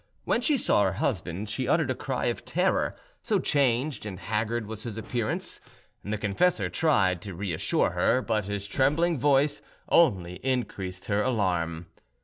When she saw her husband, she uttered a cry of terror, so changed and haggard was his appearance. The confessor tried to reassure her, but his trembling voice only increased her alarm.